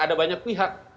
ada banyak pihak